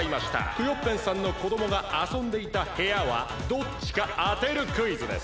クヨッペンさんのこどもがあそんでいた部屋はどっちかあてるクイズです。